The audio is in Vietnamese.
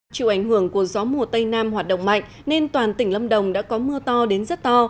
chịu ảnh hưởng của gió mùa tây nam hoạt động mạnh nên toàn tỉnh lâm đồng đã có mưa to đến rất to